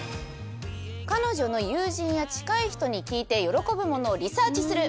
彼女の友人や近い人に聞いて喜ぶものをリサーチする。